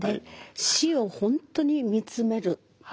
死を本当に見つめる。